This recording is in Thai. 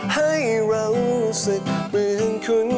ก้าวเบื้องก้าว